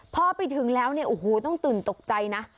พอไปถึงแล้วเนี่ยโอ้โหต้องตื่นตกใจนะ